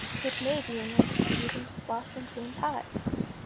It may be an antecedent of Boston cream pie.